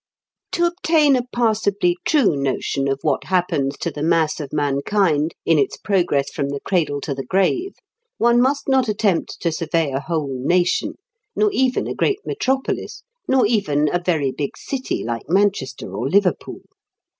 To obtain a passably true notion of what happens to the mass of mankind in its progress from the cradle to the grave, one must not attempt to survey a whole nation, nor even a great metropolis, nor even a very big city like Manchester or Liverpool.